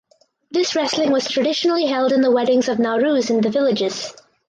This wrestling was traditionally held in the weddings of Nowruz in the villages.